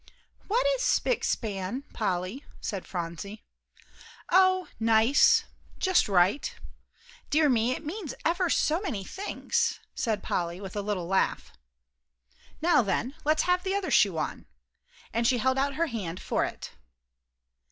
"What is 'spick span,' Polly?" said Phronsie. "Oh, nice just right. Dear me, it means ever so many things," said Polly, with a little laugh. "Now then, let's have the other shoe on," and she held out her hand for it.